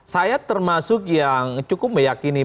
saya termasuk yang cukup meyakini